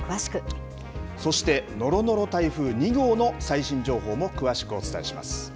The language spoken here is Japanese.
そして、のろのろ台風２号の最新情報も詳しくお伝えします。